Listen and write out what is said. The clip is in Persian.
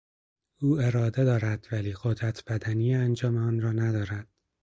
او اراده دارد ولی قدرت بدنی انجام آن را ندارد.